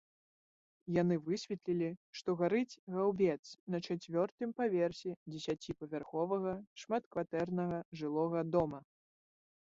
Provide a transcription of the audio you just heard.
Яны высветлілі, што гарыць гаўбец на чацвёртым паверсе дзесяціпавярховага шматкватэрнага жылога дома.